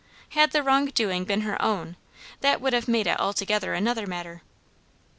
Had the wrong doing been her own that would have made it altogether another matter.